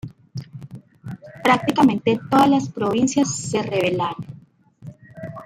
Prácticamente todas las provincias se rebelaron.